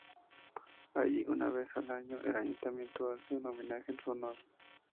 Allí, una vez al año, el ayuntamiento hace un homenaje en su honor.